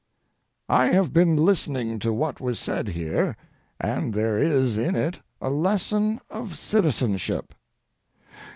I have been listening to what was said here, and there is in it a lesson of citizenship.